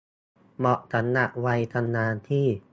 เหมาะสำหรับวัยทำงานที่